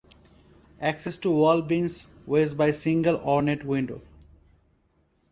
Access to wall bins was by single ornate window.